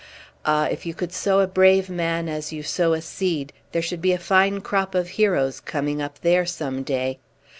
Ah! if you could sow a brave man as you sow a seed, there should be a fine crop of heroes coming up there some day!